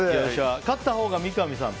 勝ったほうが三上さんと？